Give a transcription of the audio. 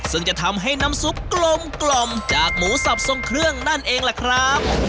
ซึ่งจะทำให้น้ำซุปกลมจากหมูสับทรงเครื่องนั่นเองล่ะครับ